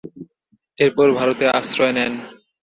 এরপর ভারতে আশ্রয় নেন।